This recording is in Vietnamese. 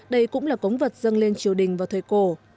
đây cũng là cống vật dâng lên triều đình và thời cổ